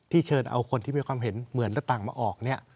เชิญเอาคนที่มีความเห็นเหมือนและต่างมาออกเนี่ย